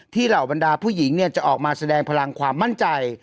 เหล่าบรรดาผู้หญิงจะออกมาแสดงพลังความมั่นใจ